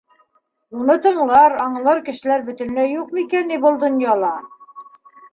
Уны тыңлар, аңлар кешеләр бөтөнләй юҡ микән ни был донъяла?